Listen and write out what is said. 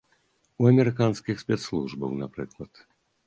У амерыканскіх спецслужбаў, напрыклад.